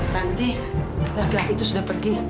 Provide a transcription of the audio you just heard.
tanti laki laki itu sudah pergi